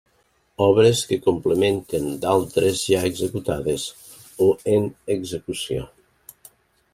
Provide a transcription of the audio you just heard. Obres que complementen d'altres ja executades o en execució.